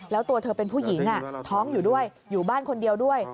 แล้วตัวเธอเป็นผู้หญิงท้องอยู่ด้วยอยู่บ้านคนเดียวด้วย